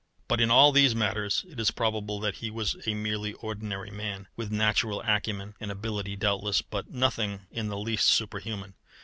But in all these matters it is probable that he was a merely ordinary man, with natural acumen and ability doubtless, but nothing in the least superhuman.